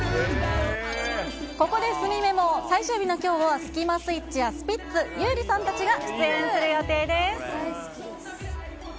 ここですみＭＥＭＯ、最終日のきょうは、スキマスイッチやスピッツ、優里さんたちが出演する予定です。